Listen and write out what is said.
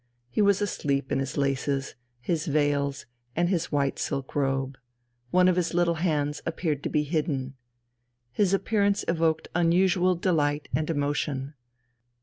He was asleep in his laces, his veils, and his white silk robe. One of his little hands happened to be hidden. His appearance evoked unusual delight and emotion.